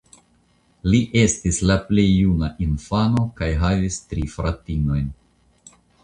Li estis la plej juna infano kaj havis tri fratinojn.